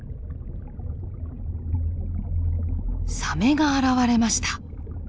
サメが現れました。